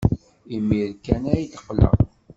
Imir-a kan ad d-qqleɣ.